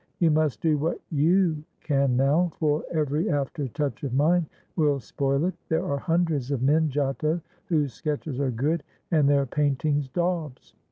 You must do what you can now, for every after touch of mine will spoil it. There are hundreds of men, Giotto, whose sketches are good, and their paintings daubs.